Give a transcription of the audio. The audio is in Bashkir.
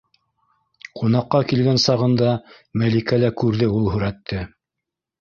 Ҡунаҡҡа килгән сағында Мәликә лә күрҙе ул һүрәтте.